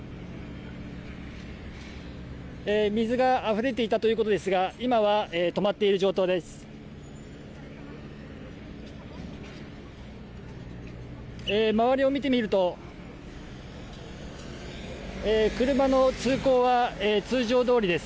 水があふれていたということですが今は止まっている状況です。